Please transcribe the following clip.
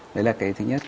đấy là thứ nhất